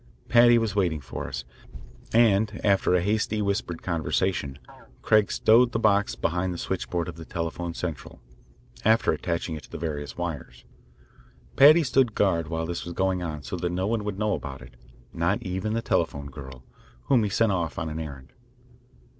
Paddy was waiting for us, and after a hasty whispered conversation, Craig stowed the box away behind the switchboard of the telephone central, after attaching it to the various wires. Paddy stood guard while this was going on so that no one would know about it, not even the telephone girl, whom he sent off on an errand.